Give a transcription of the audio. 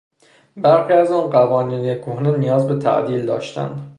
برخی از آن قوانین کهنه نیاز به تعدیل داشتند.